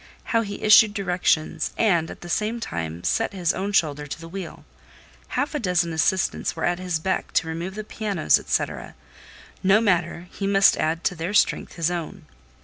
How he issued directions, and, at the same time, set his own shoulder to the wheel! Half a dozen assistants were at his beck to remove the pianos, &c. no matter, he must add to their strength his own.